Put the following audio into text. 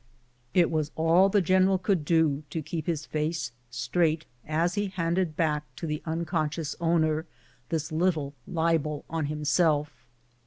It was all the general could do to keep his face straiglit as he handed back to the unconscious owner this little libel on himself.